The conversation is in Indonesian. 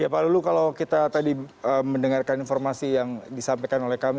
ya pak lulu kalau kita tadi mendengarkan informasi yang disampaikan oleh kami